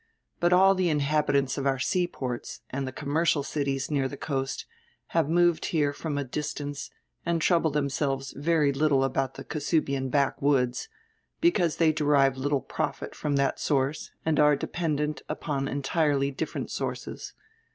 But all die inhabitants of our seaports, and die commercial cities near the coast, have moved here from a distance and trouble themselves very little about die Cassubian backwoods, because diey derive littie profit from diat source and are dependent upon entirely different sources.